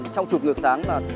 trong chụp ngược sáng là